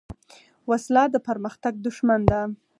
وسله د پرمختګ دښمن ده